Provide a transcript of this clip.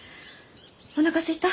おなかすいた？